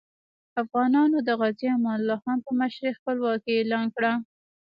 افغانانو د غازي امان الله خان په مشرۍ خپلواکي اعلان کړه.